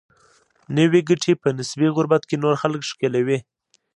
نوي ګټې په نسبي غربت کې نور خلک ښکېلوي.